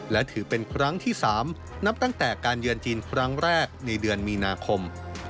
และถือเป็นครั้งที่๓นับตั้งแต่การเยือนจีนครั้งแรกในเดือนมีนาคม